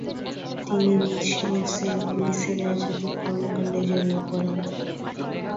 তিনি নিজ শহর সেন্ট লুইসে রাজনৈতিক কর্মকাণ্ডে জড়িয়ে পড়েন।